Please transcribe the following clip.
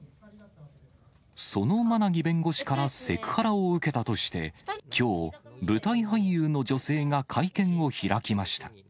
その馬奈木弁護士からセクハラを受けたとして、きょう、舞台俳優の女性が会見を開きました。